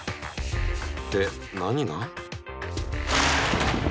って何が？